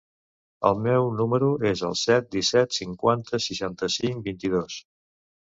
El meu número es el set, disset, cinquanta, seixanta-cinc, vint-i-dos.